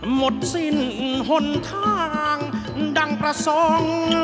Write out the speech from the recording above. หมดสิ้นหนทางดังประสงค์